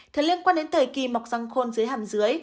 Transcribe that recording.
thời liên quan đến thời kỳ mọc răng khôn dưới hàm dưới